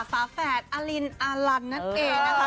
ฝาแฝดอลินอาลันนั่นเองนะคะ